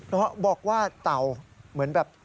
เพราะบอกว่าเต่าเหมือนแบบ